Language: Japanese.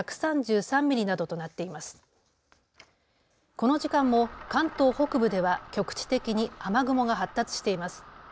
この時間も関東北部では局地的に雨雲が発達しています。